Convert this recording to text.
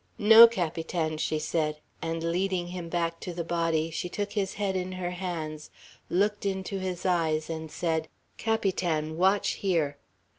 "No, Capitan," she said; and leading him back to the body, she took his head in her hands, looked into his eyes, and said, "Capitan, watch here."